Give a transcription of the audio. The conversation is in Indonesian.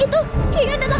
itu hiu datang lagi